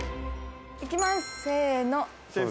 いきます！せの！